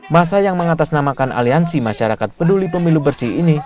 masa yang mengatasnamakan aliansi masyarakat peduli pemilu bersih ini